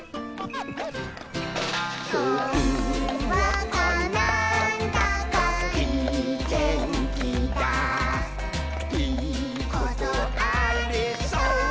「ほんわかなんだかいいてんきだいいことありそうだ！」